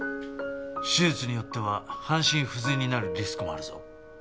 手術によっては半身不随になるリスクもあるぞ。